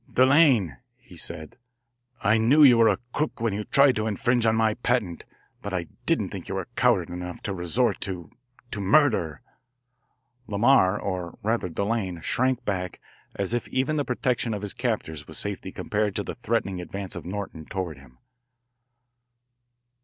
"Delanne," he said, "I knew you were a crook when you tried to infringe on my patent, but I didn't think you were coward enough to resort to to murder." Lamar, or rather Delanne, shrank back as if even the protection of his captors was safety compared to the threatening advance of Norton toward him.